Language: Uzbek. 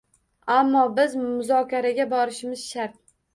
Ammo biz muzokaraga borishimiz shart